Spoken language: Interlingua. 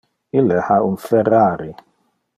Ille ha un Ferrari.